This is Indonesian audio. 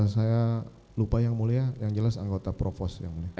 saya lupa yang mulia yang jelas anggota provos yang mulia